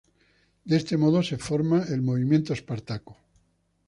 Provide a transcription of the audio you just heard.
De este modo se forma el Movimiento Espartaco.